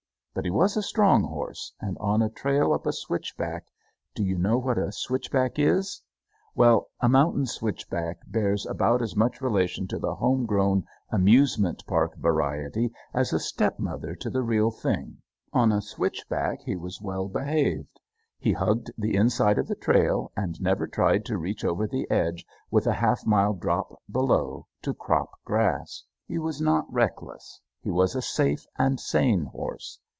But he was a strong horse, and on a trail up a switchback do you know what a switchback is? well, a mountain switchback bears about as much relation to the home grown amusement park variety as a stepmother to the real thing on a switchback he was well behaved. He hugged the inside of the trail, and never tried to reach over the edge, with a half mile drop below, to crop grass. He was not reckless. He was a safe and sane horse.